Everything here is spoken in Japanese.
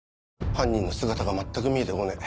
犯人の姿が全く見えて来ねえ